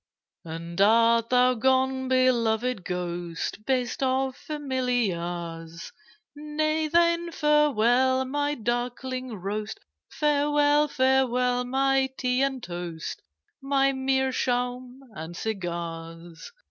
'And art thou gone, beloved Ghost? Best of Familiars! Nay then, farewell, my duckling roast, Farewell, farewell, my tea and toast, My meerschaum and cigars!